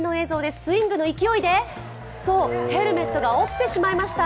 スイングの勢いでヘルメットが落ちてしまいました。